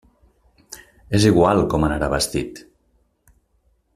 És igual com anara vestit!